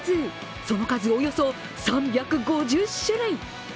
その数およそ３５０種類。